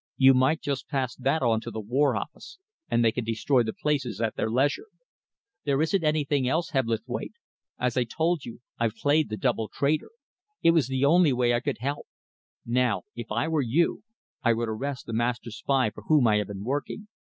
You might just pass that on to the War Office, and they can destroy the places at their leisure. There isn't anything else, Hebblethwaite. As I told you, I've played the double traitor. It was the only way I could help. Now, if I were you, I would arrest the master spy for whom I have been working.